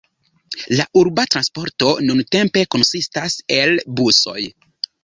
La urba transporto nuntempe konsistas el busoj.